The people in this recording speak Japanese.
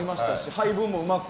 配分もうまく。